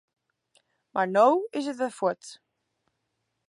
Mar no is it wer fuort.